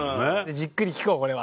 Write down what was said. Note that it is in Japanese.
じっくり聞こうこれは。